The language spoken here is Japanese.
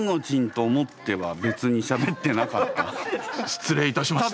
失礼いたしました。